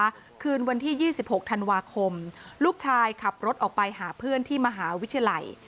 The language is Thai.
คืนวันที่๒๖ธันวาคมลูกชายขับรถออกไปหาเพื่อนที่มหาวิทยาลัย